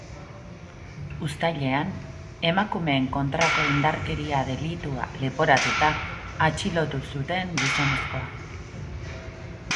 Uztailean, emakumeen kontrako indarkeria delitua leporatuta atxilotu zuten gizonezkoa.